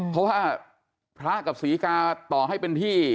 เพราะว่าพระกับศรีกาต่อให้เป็นที่